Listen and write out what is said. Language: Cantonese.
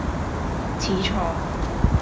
始創